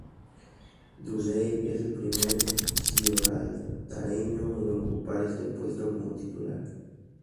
Dudley es el primero gibraltareño en ocupar este puesto como titular.